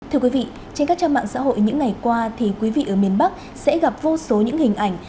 thưa quý vị trên các trang mạng xã hội những ngày qua thì quý vị ở miền bắc sẽ gặp vô số những hình ảnh